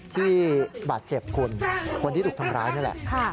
ที่บาดเจ็บคุณคนที่ถูกทำร้ายนี่แหละ